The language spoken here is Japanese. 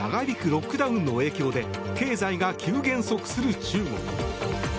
ロックダウンの影響で経済が急減速する中国。